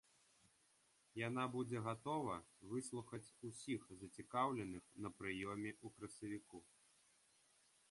Яна будзе гатова выслухаць усіх зацікаўленых на прыёме ў красавіку.